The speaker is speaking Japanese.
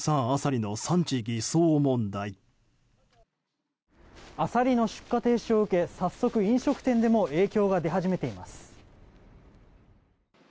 アサリの出荷停止を受け早速、飲食店でも影響が出始めています。